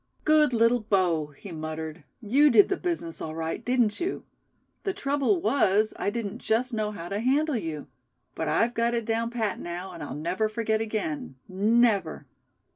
"Good little bow!" he muttered; "you did the business, all right, didn't you? The trouble was, I didn't just know how to handle you; but I've got it down pat now, and I'll never forget again, never.